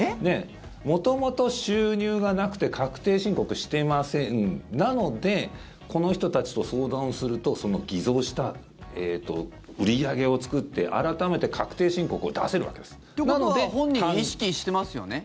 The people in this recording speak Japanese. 元々収入がなくて確定申告してませんなのでこの人たちと相談をするとその偽造した売り上げを作って改めて確定申告を出せるわけです。ということは本人、意識してますよね？